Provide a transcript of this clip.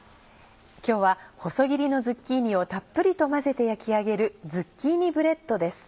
今日は細切りのズッキーニをたっぷりと混ぜて焼き上げる「ズッキーニブレッド」です。